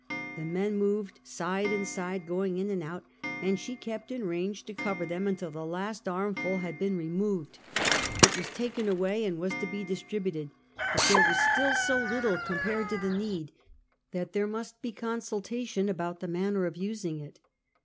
The men moved side and side, going in and out, and she kept in range to cover them until the last armful had been removed. • It was taken away and was to be distributed; but there was still so little compared to the need, that there must be con sultation about the manner of using it.